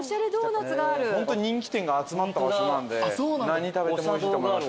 ホント人気店が集まった場所なんで何食べてもおいしいと思います。